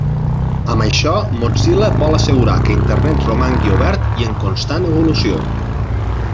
Amb això, Mozilla vol assegurar que Internet romangui obert i en constant evolució.